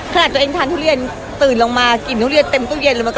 ขนาดตัวเองทานทุเรียนตื่นลงมากลิ่นทุเรียนเต็มตู้เย็นเลย